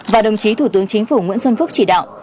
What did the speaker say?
và đồng chí thủ tướng chính phủ nguyễn xuân phúc chỉ đạo